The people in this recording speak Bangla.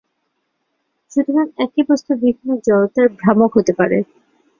সুতরাং, একই বস্তুর বিভিন্ন জড়তার ভ্রামক হতে পারে।